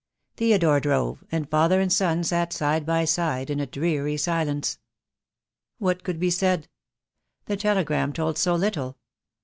Theodore drove, and father and son sat side by side in a dreary silence. What could be said? The telegram told so little.